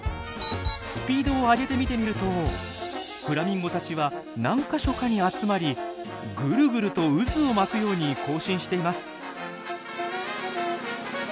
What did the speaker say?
スピードを上げて見てみるとフラミンゴたちは何か所かに集まりぐるぐると渦を巻くように行進しています。